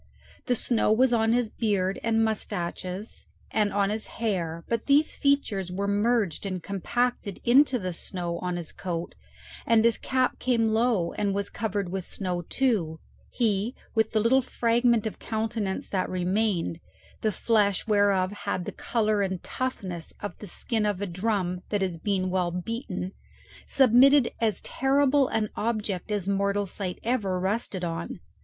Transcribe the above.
The snow was on his beard and mustaches and on his hair; but these features were merged and compacted into the snow on his coat, and as his cap came low and was covered with snow too, he, with the little fragment of countenance that remained, the flesh whereof had the colour and toughness of the skin of a drum that has been well beaten, submitted as terrible an object as mortal sight ever rested on.